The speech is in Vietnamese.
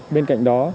bên cạnh đó